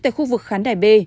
tại khu vực khán đài b